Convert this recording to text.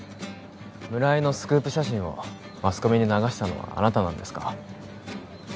村井のスクープ写真マスコミに流したのはあなたなんですか？